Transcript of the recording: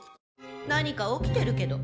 「何か起きてるけど」